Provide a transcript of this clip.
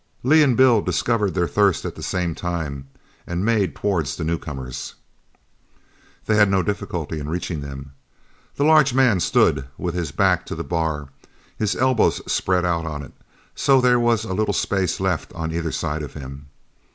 Lee and Bill discovered their thirst at the same time and made towards the newcomers. They had no difficulty in reaching them. The large man stood with his back to the bar, his elbows spread out on it, so that there was a little space left on either side of him.